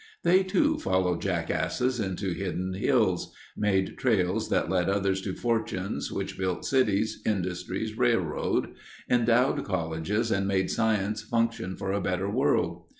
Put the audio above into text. They too followed jackasses into hidden hills; made trails that led others to fortunes which built cities, industries, railroad; endowed colleges and made science function for a better world.